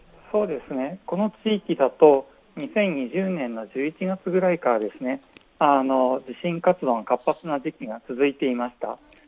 この地域だと、２０２０年１１月ぐらいから地震活動が活発な時期が続いていました。